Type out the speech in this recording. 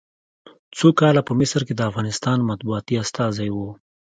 څو کاله په مصر کې د افغانستان مطبوعاتي استازی و.